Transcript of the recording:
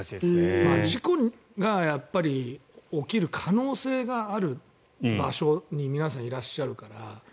事故が起きる可能性がある場所に皆さんいらっしゃるから。